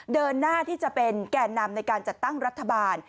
เดินหน้าที่จะเป็นแก่นำในการจัดตั้งรัฐบาล